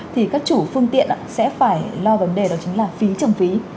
thì các chủ phương tiện sẽ phải lo vấn đề đó chính là phí trồng phí